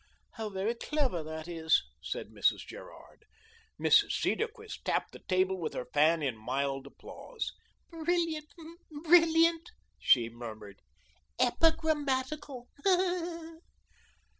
"How very clever that is," said Mrs. Gerard. Mrs. Cedarquist tapped the table with her fan in mild applause. "Brilliant, brilliant," she murmured, "epigrammatical."